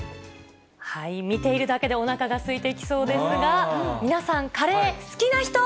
見ているだけで、おなかがすいてきそうですが、皆さん、カレー、好きな人？